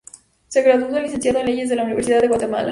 Se graduó de Licenciado en leyes en la Universidad de Guatemala.